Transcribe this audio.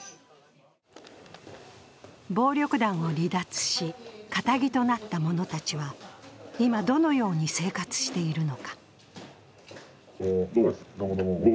暴力団を離脱し、カタギとなった者たちは今どのように生活しているのか。